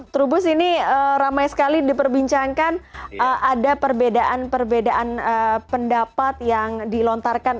trubus ini ramai sekali diperbincangkan ada perbedaan perbedaan pendapat yang dilontarkan